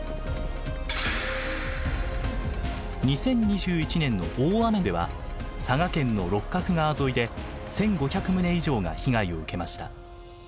２０２１年の大雨では佐賀県の六角川沿いで１，５００棟以上が被害を受けました。